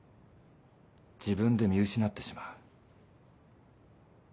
自分で見失ってしまう。